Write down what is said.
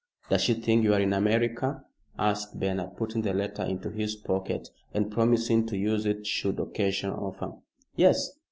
"Does she think you are in America?" asked Bernard, putting the letter into his pocket, and promising to use it should occasion offer. "Yes.